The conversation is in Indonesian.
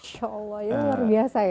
insya'allah ya luar biasa ya